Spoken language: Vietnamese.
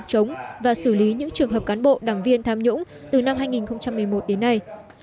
chống và xử lý những trường hợp cán bộ đảng viên tham nhũng từ năm hai nghìn một mươi một đến nay